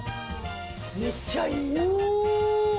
めっちゃいいやん。